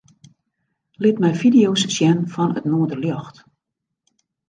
Lit my fideo's sjen fan it noarderljocht.